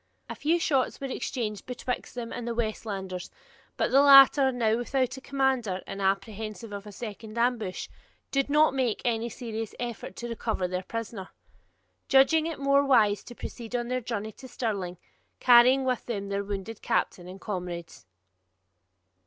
A few shots were exchanged betwixt them and the Westlanders; but the latter, now without a commander, and apprehensive of a second ambush, did not make any serious effort to recover their prisoner, judging it more wise to proceed on their journey to Stirling, carrying with them their wounded captain and comrades.